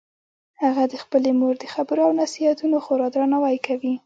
هغه د خپلې مور د خبرو او نصیحتونو خورا درناوی کوي